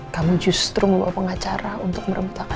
kamu justru meluapeng acara untuk merebut akasnya